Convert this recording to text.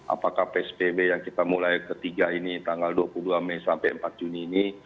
apakah psbb yang kita mulai ketiga ini tanggal dua puluh dua mei sampai empat juni ini